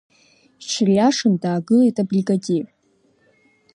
Иҽыриашан даагылеит абригадир.